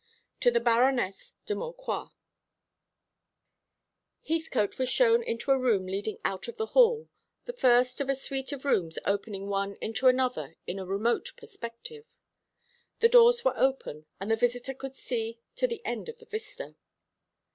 "To the Baroness de Maucroix." Heathcote was shown into a room leading out of the hall, the first of a suite of rooms opening one into another in a remote perspective. The doors were open, and the visitor could see to the end of the vista.